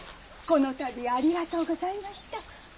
このたびはありがとうございました。